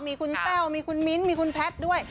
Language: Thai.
มีคุณแต้วมีคุณมิ้นท์มีคุณแพทย์ด้วย